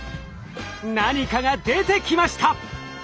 何かが出てきました！